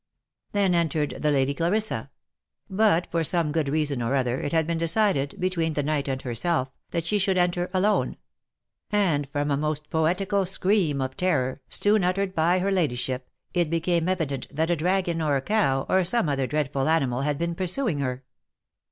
Then entered the Lady Clarissa ; but, for some good reason or other, it had been decided, between the knight and herself, that she should enter alone : and from a most poetical scream of terror, soon uttered by her ladyship, it became evident that a dragon, or a cow, or some other dreadful animal had been pursuing her.